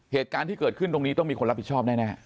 เหตุการณ์ที่เกิดขึ้นตรงนี้ต้องมีคนรับผิดชอบแน่